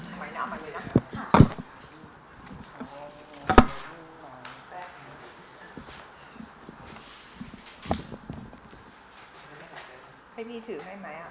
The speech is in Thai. ทาน้ำตาเล่านิดนึงว่าเหตุการณ์เกิดอะไรขึ้นที่หน้ายิมวันนั้น